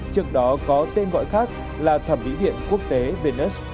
trước đó có tên gọi khác là thẩm mỹ điện quốc tế vnnus